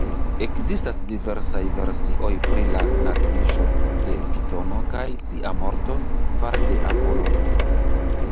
Ekzistas diversaj versioj pri la naskiĝo de Pitono kaj sia morto fare de Apolono.